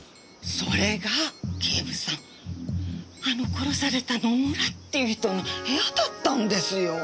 それが警部さんあの殺された野村っていう人の部屋だったんですよ。